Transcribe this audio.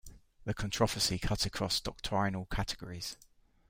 The controversy cut across doctrinal categories.